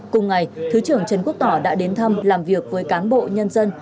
cùng ngày thứ trưởng trần quốc tỏ đã đến thăm làm việc với cán bộ nhân dân